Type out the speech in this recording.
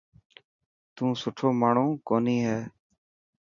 تون سٺو ماڻهو ڪوني هي.